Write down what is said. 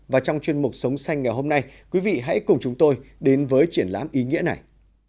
và trong chuyên mục sống xanh ngày hôm nay quý vị hãy cùng chúng tôi đến với triển lãm ý nghĩa này